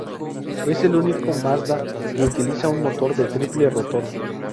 Es el único Mazda que utiliza un motor de triple rotor.